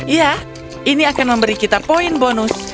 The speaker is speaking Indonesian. iya ini akan memberi kita poin bonus